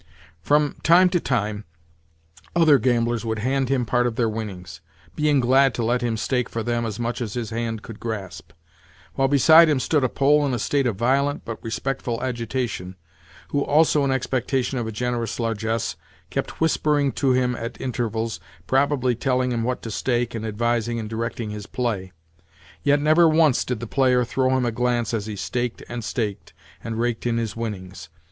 From time to time other gamblers would hand him part of their winnings—being glad to let him stake for them as much as his hand could grasp; while beside him stood a Pole in a state of violent, but respectful, agitation, who, also in expectation of a generous largesse, kept whispering to him at intervals (probably telling him what to stake, and advising and directing his play). Yet never once did the player throw him a glance as he staked and staked, and raked in his winnings.